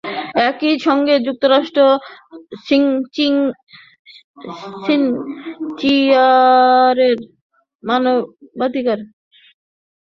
একই সঙ্গে যুক্তরাষ্ট্র শিনচিয়াংয়ের মানবাধিকার পরিস্থিতি ও উইঘুরদের ওপর নিপীড়ন নিয়ে উচ্চকিত।